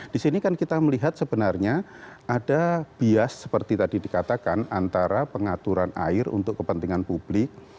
di sini kan kita melihat sebenarnya ada bias seperti tadi dikatakan antara pengaturan air untuk kepentingan publik